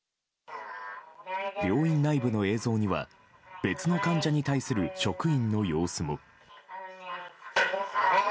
病院内部の映像には別の患者に対する職員の様子も。